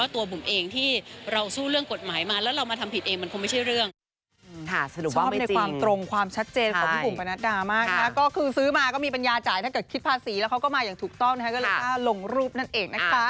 ตัวบุ๋มเองที่เราสู้เรื่องกฎหมายมาแล้วเรามาทำผิดเองมันคงไม่ใช่เรื่อง